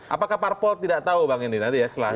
apakah parpol tidak tahu bang edi nanti ya